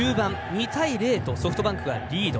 ２対０、ソフトバンクリード。